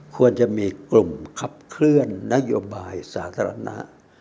ควรจะมีกลุ่มขับเคลื่อนนโยบายสาธารณะ